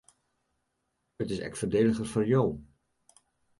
It is ek foardeliger foar jo.